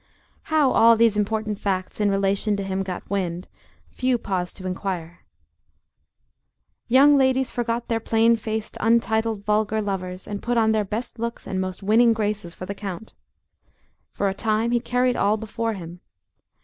How all these important facts in relation to him got wind few paused to inquire. Young ladies forgot their plain faced, untitled, vulgar lovers, and put on their best looks and most winning graces for the count. For a time he carried all before him.